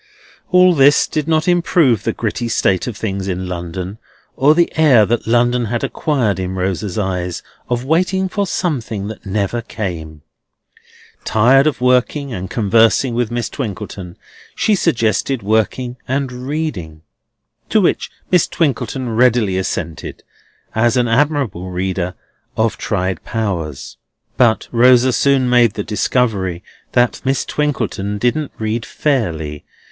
All this did not improve the gritty state of things in London, or the air that London had acquired in Rosa's eyes of waiting for something that never came. Tired of working, and conversing with Miss Twinkleton, she suggested working and reading: to which Miss Twinkleton readily assented, as an admirable reader, of tried powers. But Rosa soon made the discovery that Miss Twinkleton didn't read fairly.